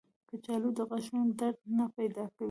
کچالو د غاښونو درد نه پیدا کوي